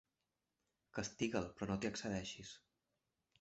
Castiga'l, però no t'hi excedeixis.